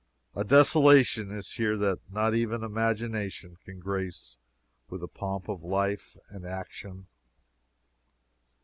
A desolation is here that not even imagination can grace with the pomp of life and action.